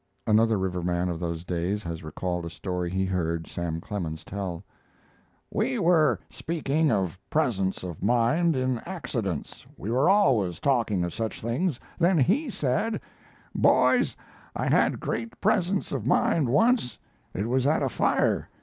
Another riverman of those days has recalled a story he heard Sam Clemens tell: We were speaking of presence of mind in accidents we were always talking of such things; then he said: "Boys, I had great presence of mind once. It was at a fire.